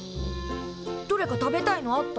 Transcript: どれか食べたいのあった？